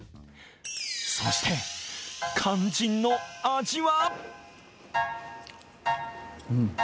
そして肝心の味は？